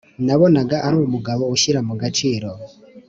nabonaga ari umugabo ushyira mu gaciro